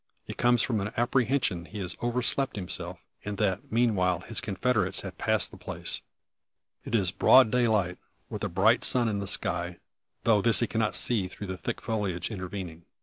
It comes from an apprehension he has overslept himself, and that, meanwhile, his confederates have passed the place. It is broad daylight, with a bright sun in the sky; though this he cannot see through the thick foliage intervening.